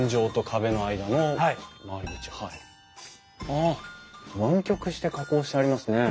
ああ湾曲して加工してありますね。